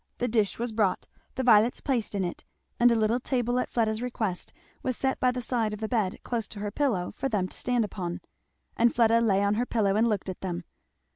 The dish was brought, the violets placed in it, and a little table at Fleda's request was set by the side of the bed close to her pillow, for them to stand upon. And Fleda lay on her pillow and looked at them.